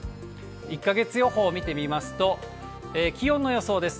１か月予報見てみますと、気温の予想です。